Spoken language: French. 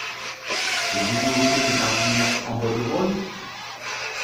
Et vous lui offrez des jardinières en bois de rose ?